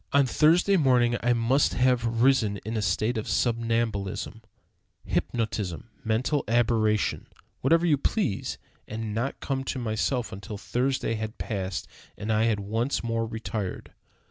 On Thursday morning I must have risen in a state of somnambulism, hypnotism, mental aberration, whatever you please, and not come to myself until Thursday had passed, and I had once more retired.